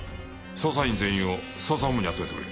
捜査員全員を捜査本部に集めてくれ。